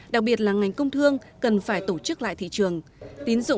đặc biệt là ngành công thương cần phải tổ chức lại thị trường